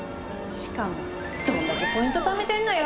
しかもどんだけポイント貯めてんのよ！